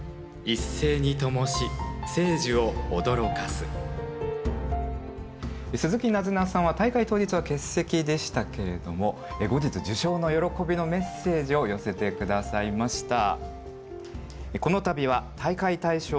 すずきなずなさんは大会当日は欠席でしたけれども後日受賞の喜びのメッセージを寄せて下さいました。